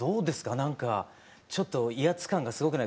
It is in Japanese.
なんかちょっと威圧感がすごくない？